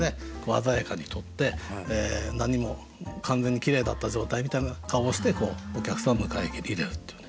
鮮やかに取って何も完全にきれいだった状態みたいな顔をしてお客さんを迎え入れるっていう。